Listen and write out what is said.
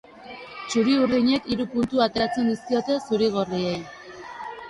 Txuri-urdinek hiru puntu ateratzen dizkiote zuri-gorriei.